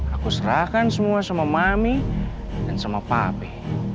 aku serahkan semua sama mami dan sama pape